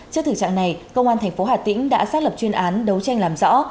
trước thử trạng này công an thành phố hà tĩnh đã xác lập chuyên án đấu tranh làm rõ